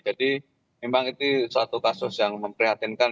jadi memang itu satu kasus yang memprihatinakan